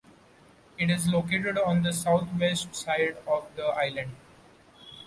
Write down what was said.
It is located on the southwest side of the island.